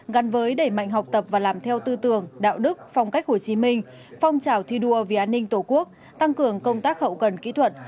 gắn với đẩy mạnh học tập và làm theo tư tưởng đạo đức phong cách hồ chí minh phong trào thi đua vì an ninh tổ quốc tăng cường công tác hậu cần kỹ thuật